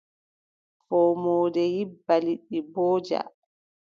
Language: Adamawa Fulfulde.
Foomoonde yibba, liɗɗi mbooja.